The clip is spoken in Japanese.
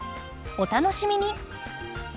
お楽しみに。